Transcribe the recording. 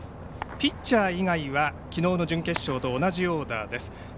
ピッチャー以外はきのうの準決勝と同じオーダーです。